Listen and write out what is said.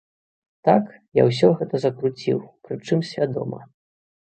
Так, я ўсё гэта закруціў, прычым свядома.